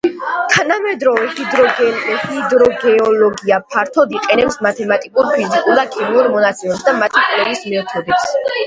თანამედროვე ჰიდროგეოლოგია ფართოდ იყენებს მათემატიკურ, ფიზიკურ და ქიმიურ მონაცემებს და მათი კვლევის მეთოდებს.